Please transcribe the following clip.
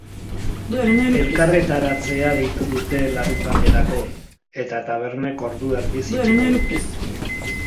Elkarretaratzea deitu dute larunbaterako, eta tabernek ordu erdiz itxiko dute.